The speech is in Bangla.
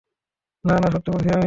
না, না, সত্যি বলছি আমি।